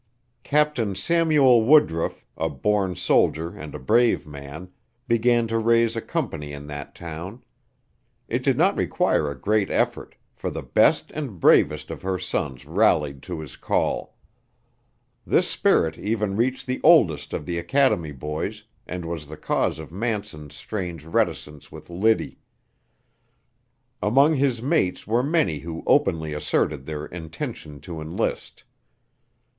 Captain Samuel Woodruff, a born soldier and a brave man, began to raise a company in that town. It did not require a great effort, for the best and bravest of her sons rallied to his call. This spirit even reached the oldest of the academy boys, and was the cause of Manson's strange reticence with Liddy. Among his mates were many who openly asserted their intention to enlist.